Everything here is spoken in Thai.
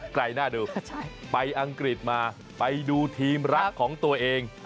ไกลน่าดูไปอังกฤษมาไปดูทีมรักของตัวเอง